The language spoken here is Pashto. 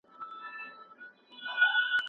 که یې شاعر ونغاړه